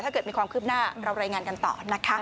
ถ้าเกิดมีความคืบหน้าเรารายงานกันต่อนะคะ